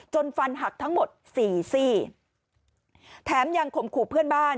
จนฟันหักทั้งหมด๔๔แถมยังข่มขู่เพื่อนบ้าน